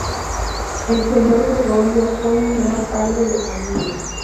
El señor Gregorio fue un gran padre de familia